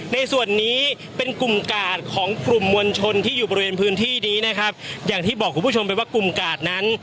ในส่วนนี้เป็นกลุ่มกาดของกลุ่มมวลชนที่อยู่บริเวณพื้นที่นี้นะครับอย่างที่บอกคุณผู้ชมไปว่ากลุ่มกาดนั้น